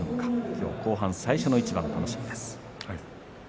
今日後半最初の一番楽しみです。